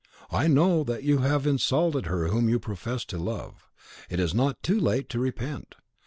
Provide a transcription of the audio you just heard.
I know that you have insulted her whom you profess to love. It is not too late to repent.